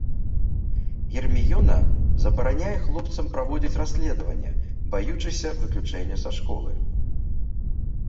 Герміёна забараняе хлопцам праводзіць расследаванне, баючыся выключэння са школы.